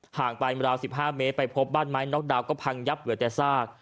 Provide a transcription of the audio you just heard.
ห่างไปราว๑๕เมตรไปพบบ้านไม้น็อกดาวนก็พังยับเหลือแต่ซาก